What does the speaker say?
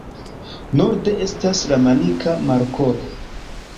Norde estas la Manika Markolo.